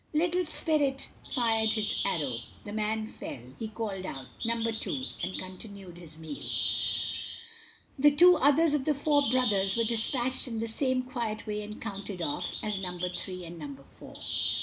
Little spirit fired his arrow the man fell he called out, "Number two," and continued his meal. The two others of the four brothers were despatched in the same quiet way and counted off as "Number three" and "Number four."